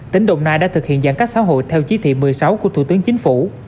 tỉnh đồng nai đã thực hiện giãn cách xã hội theo chí thị một mươi sáu của thủ tướng chính phủ